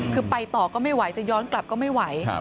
คือไปต่อก็ไม่ไหวจะย้อนกลับก็ไม่ไหว